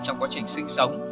trong quá trình sinh sống